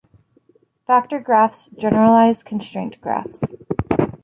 Factor graphs generalize constraint graphs.